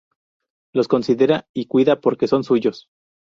Los considera y cuida porque son suyos.